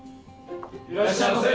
いらっしゃいませ。